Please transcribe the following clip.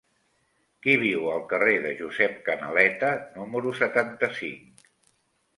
Qui viu al carrer de Josep Canaleta número setanta-cinc?